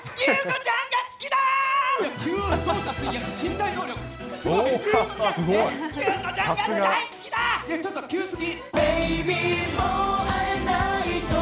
ちょっと急すぎ。